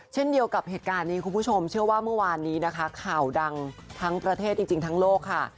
เช่นเดียวกับเหตุการณ์นี้คุณผู้ชมเชื่อว่าเมื่อวานนี้นะคะข่าวดังทั้งประเทศจริงทั้งโลกค่ะ